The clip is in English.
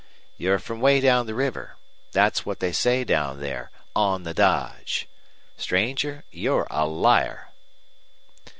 "You're from way down the river. Thet's what they say down there 'on the dodge.'... Stranger, you're a liar!"